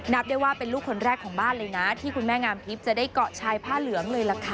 นับได้ว่าเป็นลูกคนแรกของบ้านเลยนะที่คุณแม่งามทิพย์จะได้เกาะชายผ้าเหลืองเลยล่ะค่ะ